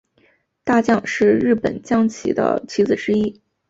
大将是日本将棋的棋子之一。